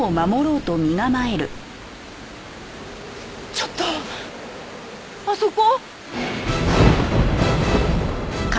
ちょっとあそこ。